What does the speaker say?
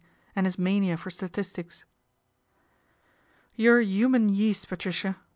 and is mania for statistics. You're human yeast, Patricia